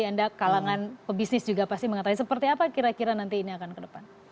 anda kalangan pebisnis juga pasti mengatakan seperti apa kira kira nanti ini akan ke depan